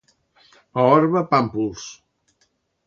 A Orba, pàmpols.